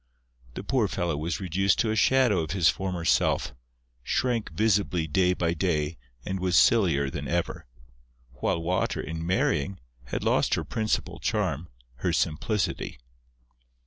The poor fellow was reduced to a shadow of his former self, shrank visibly day by day and was sillier than ever, while Water, in marrying, had lost her principal charm, her simplicity.